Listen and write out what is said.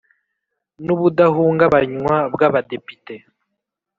n ubudahungabanywa bw Abadepite